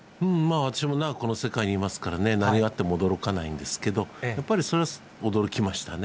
私も長くこの世界にいますからね、何があっても驚かないんですけど、やっぱりそれは驚きましたね。